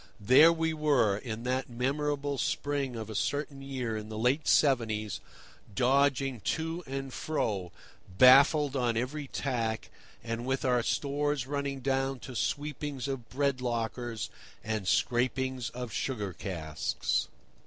There we were, in that memorable spring of a certain year in the late seventies, dodging to and fro, baffled on every tack, and with our stores running down to sweepings of bread lockers and scrapings of sugar casks.